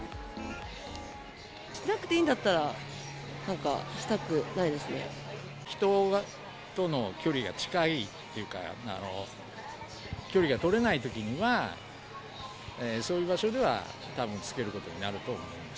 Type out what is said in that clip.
しなくていいんだったら、人との距離が近いというか、距離が取れないときには、そういう場所では、たぶん着けることになると思います。